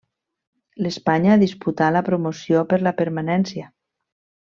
L'Espanya disputà la promoció per la permanència.